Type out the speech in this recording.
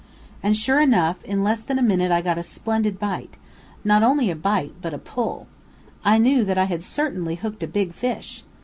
And, sure enough, in less than a minute I got a splendid bite, not only a bite, but a pull. I knew that I had certainly hooked a big fish!